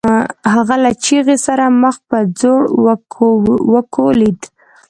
هغه له چيغې سره مخ په ځوړ وکوليد.